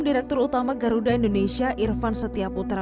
direktur utama garuda indonesia irvan setiaputra